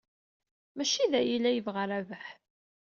Maci d aya ay yella yebɣa Rabaḥ.